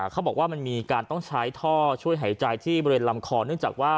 เขาบอกว่ามันมีการต้องใช้ท่อช่วยหายใจที่บริเวณลำคอเนื่องจากว่า